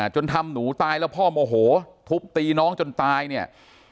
จนทำหนูตายแล้วพ่อโมโหทุบตีน้องจนตายเนี่ย